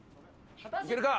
いけるか？